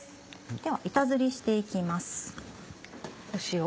では板ずりして行きます。